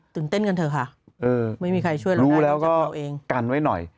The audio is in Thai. เต้นกันเถอะค่ะไม่มีใครช่วยเรารู้แล้วก็กันไว้หน่อย